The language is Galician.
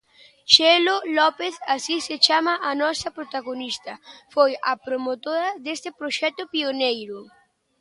Chelo López, así se chama a nosa protagonista, foi a promotora deste proxecto pioneiro.